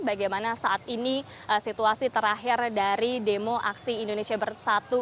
bagaimana saat ini situasi terakhir dari demo aksi indonesia bersatu